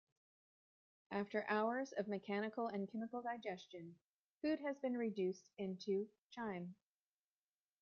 After hours of mechanical and chemical digestion, food has been reduced into chyme.